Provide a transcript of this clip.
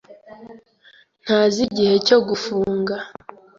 ntazi igihe cyo gufunga.